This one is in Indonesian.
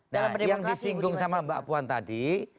dalam yang disinggung sama mbak puan tadi